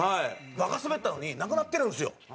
バカスベったのになくなってるんですよ。